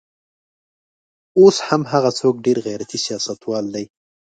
اوس هم هغه څوک ډېر غیرتي سیاستوال دی.